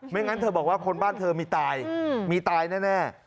งั้นเธอบอกว่าคนบ้านเธอมีตายมีตายแน่